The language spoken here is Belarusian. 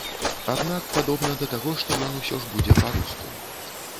Аднак падобна да таго, што ён усё ж будзе па-руску.